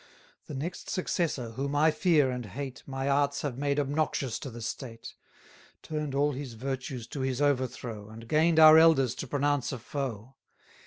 400 The next successor, whom I fear and hate, My arts have made obnoxious to the state; Turn'd all his virtues to his overthrow, And gain'd our elders to pronounce a foe.